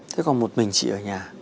thế còn một mình chị ở nhà